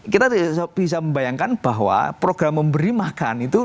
kita bisa membayangkan bahwa program memberi makan itu